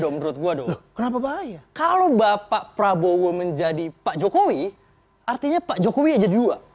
dong menurut gue dong kenapa bahaya kalau bapak prabowo menjadi pak jokowi artinya pak jokowi jadi dua